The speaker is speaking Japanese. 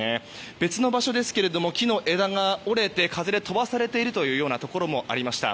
別の場所ですが木の枝が折れて風で飛ばされているところもありました。